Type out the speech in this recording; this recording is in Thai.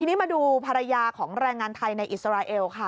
ทีนี้มาดูภรรยาของแรงงานไทยในอิสราเอลค่ะ